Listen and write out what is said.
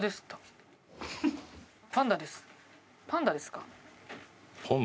「パンダです」？